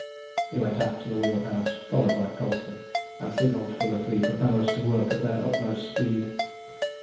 He went aft to the wheel house, followed by Colston, and signalled for the three propellers to work at their utmost speed.